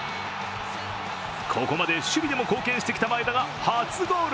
ここまで守備でも貢献してきた前田が初ゴール。